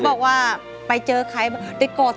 สวัสดีครับคุณหน่อย